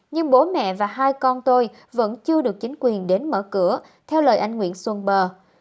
nhưng bố mẹ và hai con tôi vẫn chưa được chính quyền đến mở cửa theo lời anh nguyễn xuân bờ